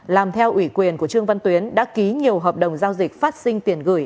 làm theo ủy quyền của trương văn tuyến đã ký nhiều hợp đồng giao dịch phát sinh tiền gửi